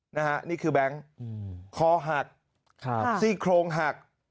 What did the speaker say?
นี่คือแบงค์คอหักซี่โครงหัก